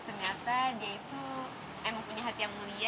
ternyata dia itu emang punya hati yang mulia